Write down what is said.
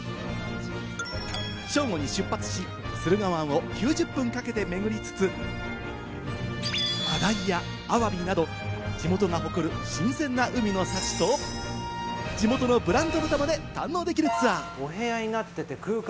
正午に出発し、駿河湾を９０分かけて巡りつつ、真鯛やアワビなど、地元が誇る新鮮な海の幸と地元のブランド豚まで堪能できるツアー。